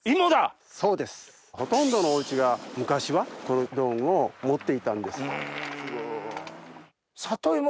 ほとんどのお家が昔はこの道具を持っていたんです。